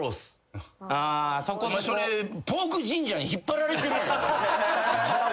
お前それポークジンジャーに引っ張られてるやん。